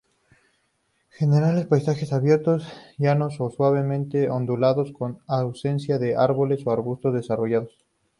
Generan paisajes abiertos, llanos o suavemente ondulados, con ausencia de árboles o arbustos desarrollados.